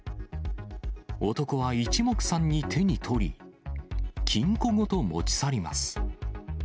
男はいちもくさんに手に取り、金庫ごと持ち去ります。